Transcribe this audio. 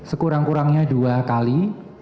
sekurang kurangnya dua kali